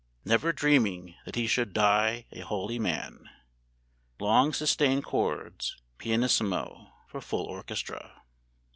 " NEVER DREAMING THAT HE SHOULD DIE 'A HOLY MAN'" [Long sustained chords, pianissimo, for full orchestra.